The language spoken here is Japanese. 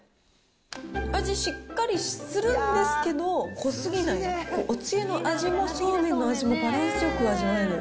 味しっかりするんですけど、濃すぎない、おつゆの味もそうめんの味もバランスよく味わえる。